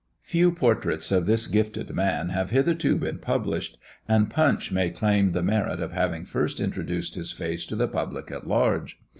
Few portraits of this gifted man have hitherto been published; and Punch may claim the merit of having first introduced his face to the public at large.